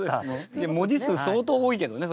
いや文字数相当多いけどねそれ。